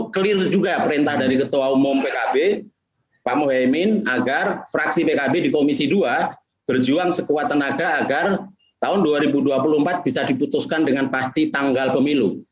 clear juga perintah dari ketua umum pkb pak mohaimin agar fraksi pkb di komisi dua berjuang sekuat tenaga agar tahun dua ribu dua puluh empat bisa diputuskan dengan pasti tanggal pemilu